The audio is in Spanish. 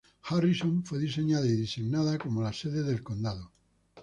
Harrison fue diseñada y designada como la sede del condado.